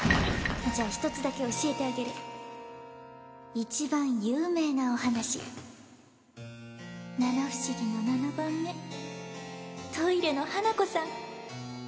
じゃあ一つだけ教えてあげる一番有名なお話七不思議の七番目トイレの花子さん